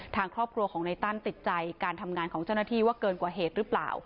ทางครอบครัวของในตั้นติดใจการทำงานของเจ้าหน้าที่ว่าเกินกว่าเหตุหรือเปล่า